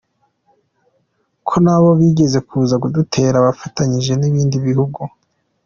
ko nabo bigeze kuza kudutera bafatanyije n’ibindi bihugu.